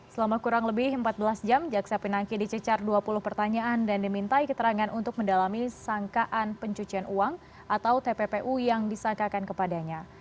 selama kurang lebih empat belas jam jaksa pinangki dicecar dua puluh pertanyaan dan dimintai keterangan untuk mendalami sangkaan pencucian uang atau tppu yang disangkakan kepadanya